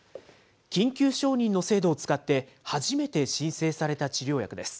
緊急承認の制度を使って、初めて申請された治療薬です。